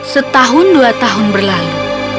setahun dua tahun berlalu